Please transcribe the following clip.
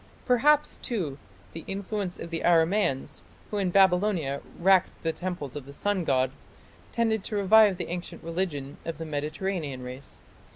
Perhaps, too, the influence of the Aramaeans, who in Babylonia wrecked the temples of the sun god, tended to revive the ancient religion of the Mediterranean race.